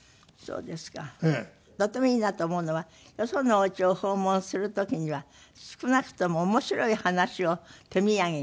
とってもいいなと思うのはよそのお家を訪問する時には少なくとも面白い話を手土産に。